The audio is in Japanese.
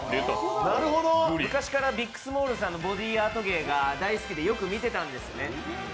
昔からビックスモールンさんのボディーアート芸好きでよく見てたんですよね